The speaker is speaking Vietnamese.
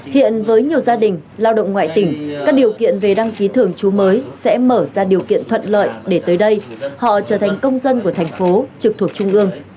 hiện với nhiều gia đình lao động ngoại tỉnh các điều kiện về đăng ký thường trú mới sẽ mở ra điều kiện thuận lợi để tới đây họ trở thành công dân của thành phố trực thuộc trung ương